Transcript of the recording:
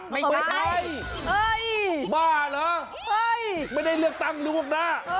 ไม่ใช่บ้าเหรอไม่ได้เลือกตั้งล่วงหน้า